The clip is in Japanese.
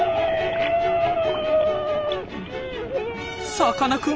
さかなクン